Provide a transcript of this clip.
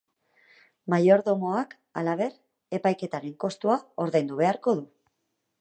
Maiordomoak, halaber, epaiketaren kostua ordaindu beharko du.